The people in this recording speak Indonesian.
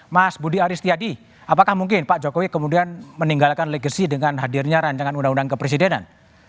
mas budi aristiadi apakah mungkin pak jokowi kemudian meninggalkan legacy dengan hadirnya rancangan undang undang kepresidenan